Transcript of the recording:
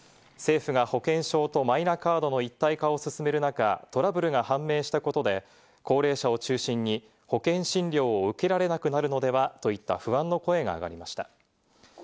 政府が保険証とマイナカードの一体化を進める中、トラブルが判明したことで、高齢者を中心に保険診療を受けられなくなるのでは？といった不安の声が上がりました。